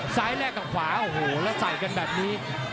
แลกกับขวาโอ้โหแล้วใส่กันแบบนี้